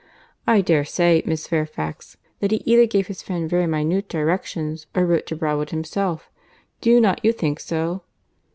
I dare say, Miss Fairfax, that he either gave his friend very minute directions, or wrote to Broadwood himself. Do not you think so?"